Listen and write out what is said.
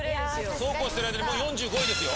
そうこうしてる間にもう４５位ですよ。